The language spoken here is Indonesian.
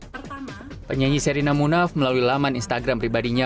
pertama penyanyi sherina munaf melalui laman instagram pribadinya